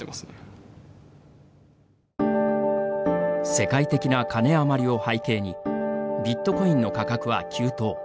世界的なカネ余りを背景にビットコインの価格は急騰。